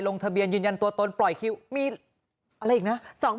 ลงทะเบียนยืนยันตัวตนปล่อยคิวมีอะไรอีกนะ